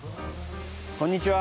こんにちは。